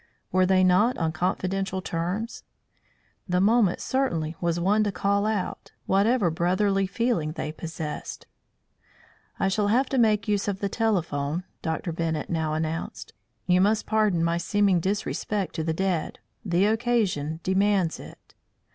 Were they not on confidential terms? The moment certainly was one to call out whatever brotherly feeling they possessed. "I shall have to make use of the telephone," Dr. Bennett now announced. "You must pardon my seeming disrespect to the dead. The occasion demands it."